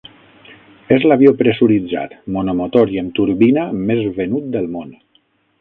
És l'avió pressuritzat, monomotor i amb turbina més venut del món.